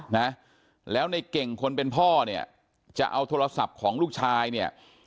นะแล้วในเก่งคนเป็นพ่อเนี่ยจะเอาโทรศัพท์ของลูกชายเนี่ย